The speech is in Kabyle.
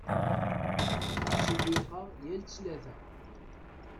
Ttsewwiqeɣ yal ttlata.